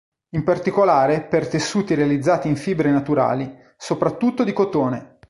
In particolare per tessuti realizzati in fibre naturali, soprattutto di cotone.